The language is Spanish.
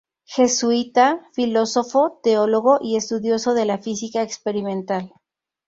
Jesuita, filósofo, teólogo y estudioso de la Física experimental.